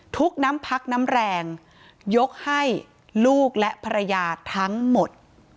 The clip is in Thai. น้ำพักน้ำแรงยกให้ลูกและภรรยาทั้งหมด